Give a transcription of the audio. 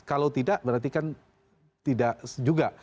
kalau tidak berarti kan tidak juga